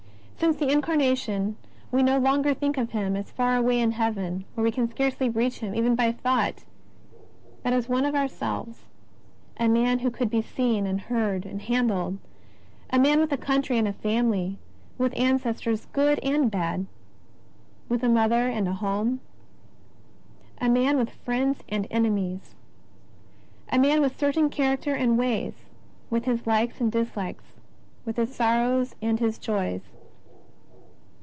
Since the Incarnation we no longer think of Him as far away in Pleaven, where we can scarcely reach Him even by thought, but as one of ourselves — a Man who could be seen, and heard, and handled, a Man with a country and a family, with ancestors good and bad, with a Mother and a home; a Man with friends and enemies; a Man with a certain character and ways, with His likes and dislikes, with His sor rows and His joys.